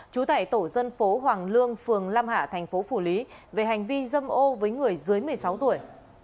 trú tại tổ dân phố hoàng lương phường lam hạ thành phố phủ lý về hành vi dâm ô với người dưới một mươi sáu tuổi